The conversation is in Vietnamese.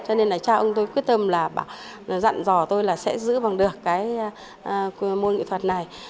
cho nên là cha ông tôi quyết tâm là dặn dò tôi là sẽ giữ bằng được cái môn nghệ thuật này